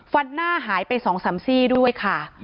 ฟันหน้าหายไปสองสามซี่ด้วยค่ะ